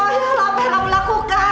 hira allah apa yang telah aku lakukan